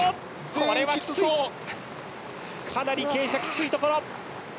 かなり傾斜がきついところ！